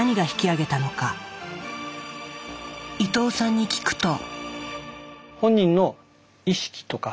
伊藤さんに聞くと。